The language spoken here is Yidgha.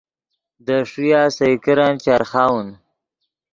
دے ݰویہ سئے کرن چرخاؤن